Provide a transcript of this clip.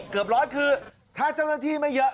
เกือบร้อยคือถ้าเจ้าหน้าที่ไม่เยอะ